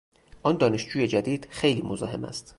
آن دانشجوی جدید خیلی مزاحم است.